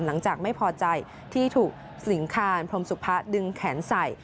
หลังจากไม่พอใจที่ถูกสิงคานพรมสุพะดึงแขนใส่